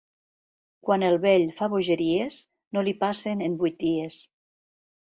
Quan el vell fa bogeries, no li passen en vuit dies.